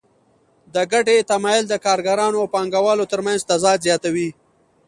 د ګټې تمایل د کارګرانو او پانګوالو ترمنځ تضاد زیاتوي